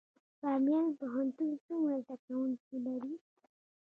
بامیان پوهنتون څومره زده کوونکي لري؟